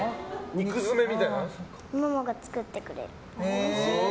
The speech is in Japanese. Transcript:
ママが作ってくれる。